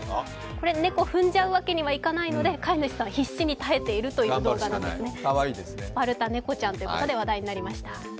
これ、猫踏んじゃうわけにはいかないので飼い主さん必死に耐えてるとスパルタ猫ちゃんということで話題になりました。